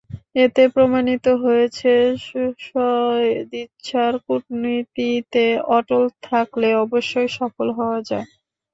এতে প্রমাণিত হয়েছে, সদিচ্ছার কূটনীতিতে অটল থাকলে অবশ্যই সফল হওয়া যায়।